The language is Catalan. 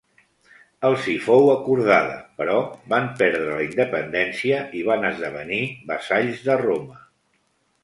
Els hi fou acordada però van perdre la independència i van esdevenir vassalls de Roma.